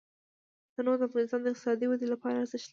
تنوع د افغانستان د اقتصادي ودې لپاره ارزښت لري.